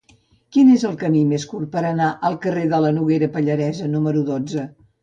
Quin és el camí més curt per anar al carrer de la Noguera Pallaresa número dotze?